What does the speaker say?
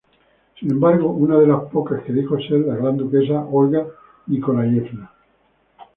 Sin embargo, una de las pocas que dijo ser la gran duquesa Olga Nikoláyevna.